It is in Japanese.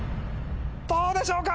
どうでしょうか？